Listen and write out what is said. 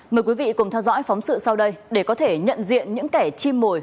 mời quý vị cùng theo dõi phóng sự sau đây để có thể nhận diện những kẻ chim mồi